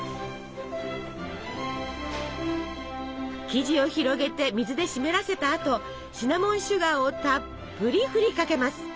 生地を広げて水で湿らせたあとシナモンシュガーをたっぷり振りかけます。